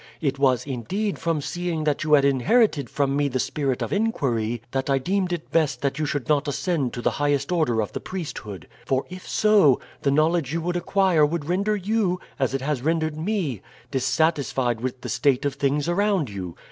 It was, indeed, from seeing that you had inherited from me the spirit of inquiry that I deemed it best that you should not ascend to the highest order of the priesthood; for if so, the knowledge you would acquire would render you, as it has rendered me, dissatisfied with the state of things around you.